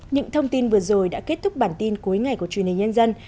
những thông tin vừa rồi đã kết thúc bản tin cuối ngày của truyền hình nhân dân